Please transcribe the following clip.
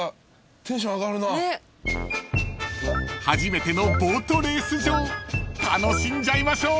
［初めてのボートレース場楽しんじゃいましょう］